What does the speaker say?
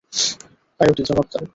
Coyote, জবাব দাও।